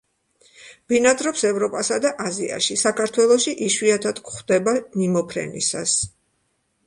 ბინადრობს ევროპასა და აზიაში; საქართველოში იშვიათად გვხვდება მიმოფრენისას.